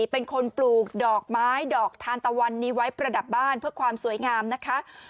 เป็นคนปลูกดอกไม้ดอกทานตะวันนี้ไว้ประดับบ้านเพื่อความสวยงามนะคะ